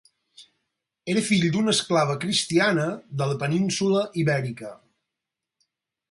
Era fill d'una esclava cristiana de la península Ibèrica.